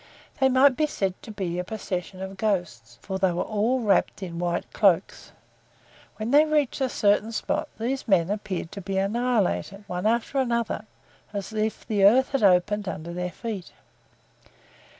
They might be said to be a procession of ghosts, for they were all wrapped in white cloaks. When they reached a certain spot these men appeared to be annihilated, one after the other, as if the earth had opened under their feet.